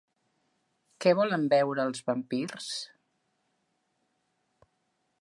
Què volen beure els vampirs?